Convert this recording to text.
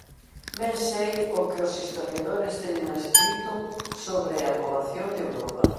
Ben sei o que os historiadores teñen escrito sobre a poboación de Europa.